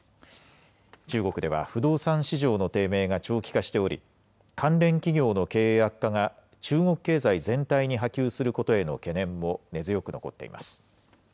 中国では、不動産市場の低迷が長期化しており、関連企業の経営悪化が中国経済全体に波及することへの懸念も根強く残っています。